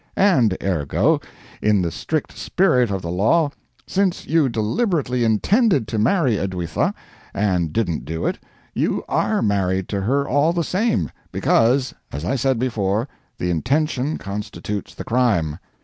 And ergo, in the strict spirit of the law, since you deliberately intended to marry Edwitha, and didn't do it, you are married to her all the same because, as I said before, the intention constitutes the crime.